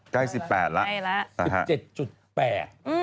ใกล้๑๘แล้ว